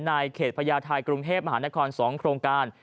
ในเขตพญาไทยกรุงเทพมหานคร๒โครงการ